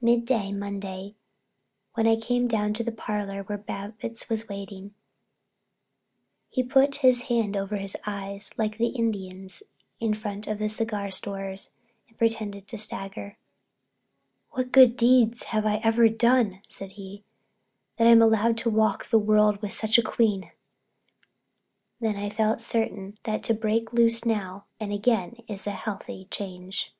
Midday Monday, when I came down to the parlor where Babbitts was waiting, he put his hand over his eyes like the Indians in front of cigar stores and pretended to stagger. I came down to the parlor where Babbitts was waiting "What good deed have I ever done," says he, "that I'm allowed to walk the world with such a queen!" Then I felt certain that to break loose now and again is a healthy change.